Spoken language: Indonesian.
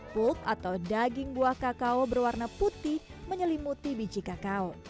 pulk atau daging buah kakao berwarna putih menyelimuti biji kakao